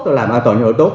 ta làm an toàn sân học tốt